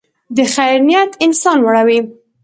د خیر نیت انسان لوړوي.